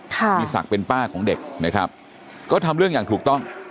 มีศักดิ์เป็นป้าของเด็กนะครับก็ทำเรื่องอย่างถูกต้อง